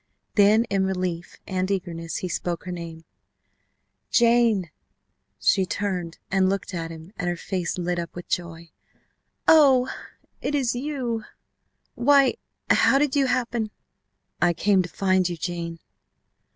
Then in relief and eagerness he spoke her name: "Jane!" She turned and looked at him and her face lit up with joy: "Oh! It is you! Why how did you happen ?" "I came to find you, Jane.